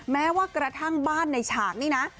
แม้ว่ากระทั่งบ้านในฉากนี่นะ